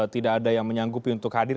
tidak ada yang menyanggupi untuk hadir